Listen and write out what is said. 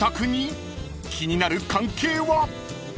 ［気になる関係は？］